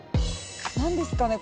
何ですかね？